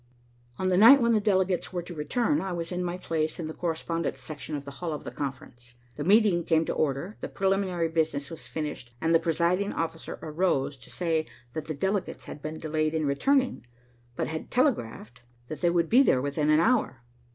On the night when the delegates were to return, I was in my place in the correspondents' section of the hall of the conference. The meeting came to order, the preliminary business was finished, and the presiding officer arose to say that the delegates had been delayed in returning, but had telegraphed that they would be there within an hour.